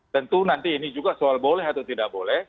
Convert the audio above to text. tentu nanti ini juga soal boleh atau tidak boleh